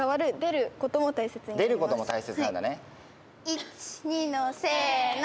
１２のせの。